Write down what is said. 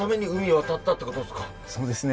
そうですね。